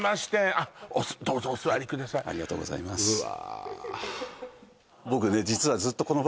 ありがとうございますうわ